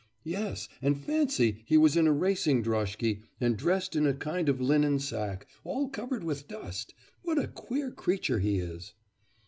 'Yes, and fancy; he was in a racing droshky, and dressed in a kind of linen sack, all covered with dust.... What a queer creature he is!